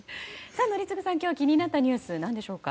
宜嗣さん、今日気になったニュースは何でしょうか？